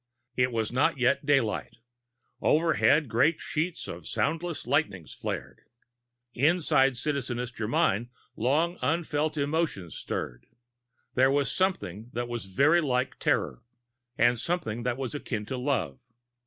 It was not yet daylight. Overhead, great sheets of soundless lightnings flared. Inside Citizeness Germyn long unfelt emotions stirred. There was something that was very like terror, and something that was akin to love.